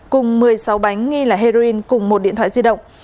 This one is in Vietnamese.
cùng một mươi sáu bánh nghi là heroin cùng một điện thoại di động